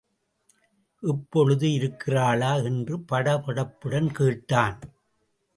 இப்பொழுது இருக்கிறாளா? என்று படபடப்புடன் கேட்டான்.